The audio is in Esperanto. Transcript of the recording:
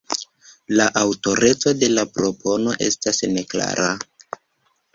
La aŭtoreco de la propono estas neklara.